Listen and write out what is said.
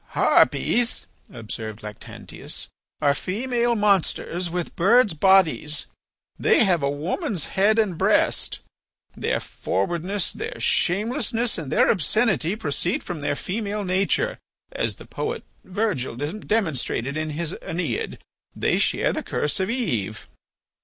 "Harpies," observed Lactantius, "are female Monsters with birds' bodies. They have a woman's head and breast. Their forwardness, their shamelessness, and their obscenity proceed from their female nature as the poet Virgil demonstrated in his 'Æneid.' They share the curse of Eve."